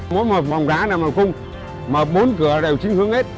mỗi mở vòng đá là một cung mở bốn cửa đều chính hướng hết